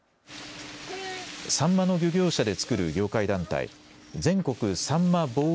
サンマの漁業者で作る業界団体、全国さんま棒受